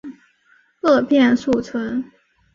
萼片宿存。